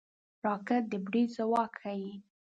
راکټ د برید ځواک ښيي